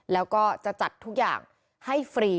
แล้วก็จะจัดทุกอย่างให้ฟรี